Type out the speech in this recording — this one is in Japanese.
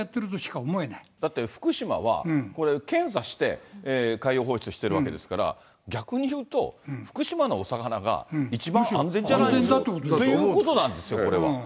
だって福島はこれ、検査して、海洋放出しているわけですから、逆にいうと、福島のお魚が一番安全じゃないかということなんですよ、これは。